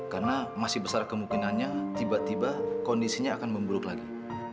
karena masih besar kemungkinannya tiba tiba kondisinya akan memburuk lagi